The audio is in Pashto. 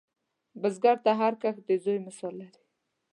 بزګر ته هر کښت د زوی مثال لري